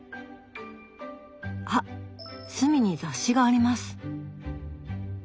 あっ隅に雑誌があります。